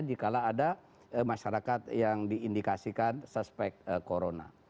jikala ada masyarakat yang diindikasikan suspek corona